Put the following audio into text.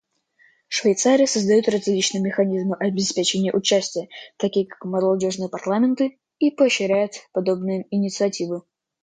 Швейцария создает различные механизмы обеспечения участия, такие как молодежные парламенты, и поощряет подобные инициативы.